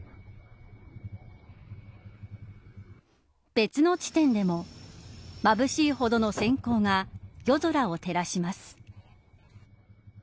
別の地点でもまぶしいほどの閃光が夜空を照らします。